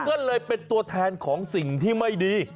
ก็เลยเป็นตัวแทนของสิ่งที่ไม่ดี